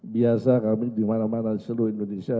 biasa kami dimana mana seluruh indonesia